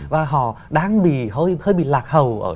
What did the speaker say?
và họ đang bị hơi bị lạc hầu